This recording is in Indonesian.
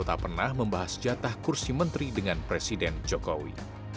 tak pernah membahas jatah kursi menteri dengan presiden jokowi